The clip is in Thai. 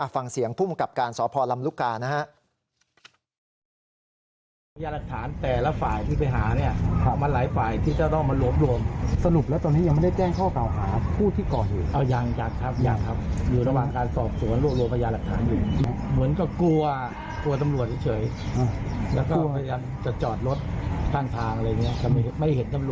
ฟังเสียงภูมิกับการสพลำลุกานะฮะ